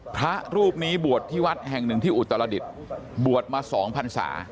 พระรูปนี้บวชที่วัดแห่งหนึ่งที่อุตรดิษฐ์บวชมา๒พันศา